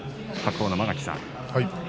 白鵬の間垣さん